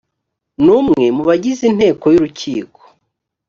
n umwe mu bagize inteko y urukiko